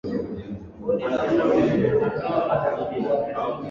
Idara hii ilianzishwa na Rais wa awamu ya Pili Mheshimiwa Aboud Jumbe